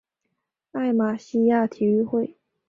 艾马希亚体育会。